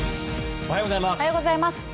おはようございます。